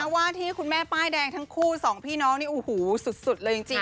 ว่าที่คุณแม่ป้ายแดงทั้งคู่๒พี่น้องนี่สุดเลยจริงนะ